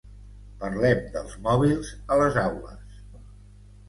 Parlem dels mòbils a les aules.